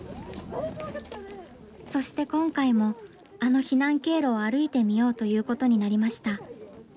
そして今回もあの避難経路を歩いてみようということになりました。